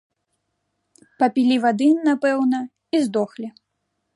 Папілі вады, напэўна, і здохлі.